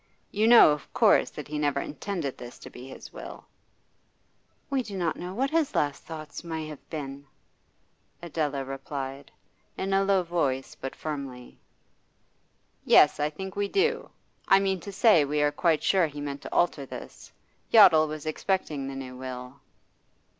You know, of course, that he never intended this to be his will?' 'We do not know what his last thoughts may have been,' Adela replied, in a low voice but firmly. 'Yes, I think we do. I mean to say, we are quite sure he meant to alter this. Yottle was expecting the new will.